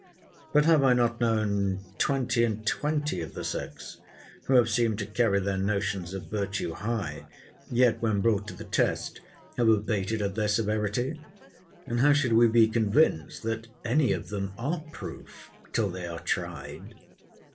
But have I not known twenty and twenty of the sex, who have seemed to carry their notions of virtue high; yet, when brought to the test, have abated of their severity? And how should we be convinced that any of them are proof till they are tried?